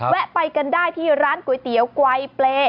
แวะไปกันได้ที่ร้านก๋วยเตี๋ยวไกลเปรย์